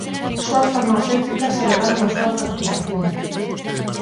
Só as farmacéuticas elevaron a súa facturación.